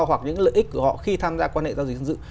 hoặc những lợi ích của họ khi tham gia quan hệ giao dịch dân sự